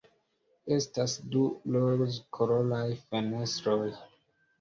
Estas du rozkoloraj fenestroj.